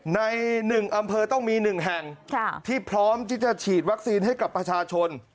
ใน๑อำเภอต้องมี๑แห่งที่พร้อมที่จะฉีดวัคซีนให้กับประชาชน